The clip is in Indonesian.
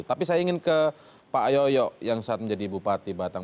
tapi saya ingin ke pak yoyo yang saat menjadi bupati batam